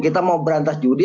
kita mau berantas judi